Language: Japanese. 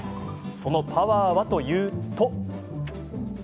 そのパワーはというと。